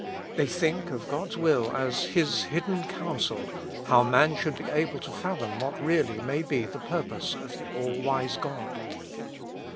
They think of God's will as His hidden counsel — how should man be able to fathom what really may be the purpose of the all wise God.